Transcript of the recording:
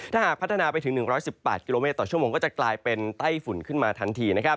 ถ้าหากพัฒนาไปถึง๑๑๘กิโลเมตรต่อชั่วโมงก็จะกลายเป็นไต้ฝุ่นขึ้นมาทันที